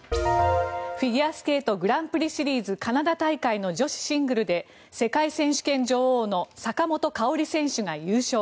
フィギュアスケートグランプリシリーズカナダ大会の女子シングルで世界選手権女王の坂本花織選手が優勝。